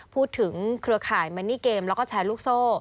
เครือข่ายแมนนี่เกมแล้วก็แชร์ลูกโซ่